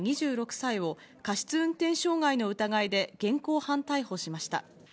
２６歳を過失運転傷害の疑いで現行犯逮捕しました。